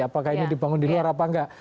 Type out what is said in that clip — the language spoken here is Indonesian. apakah ini dibangun di luar apa enggak